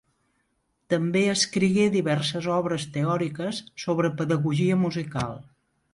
També escrigué diverses obres teòriques sobre pedagogia musical.